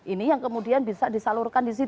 ini yang kemudian bisa disalurkan di situ